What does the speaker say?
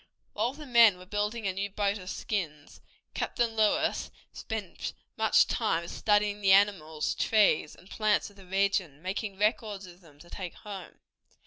While the men were building a new boat of skins, Captain Lewis spent much time studying the animals, trees, and plants of the region, making records of them to take home.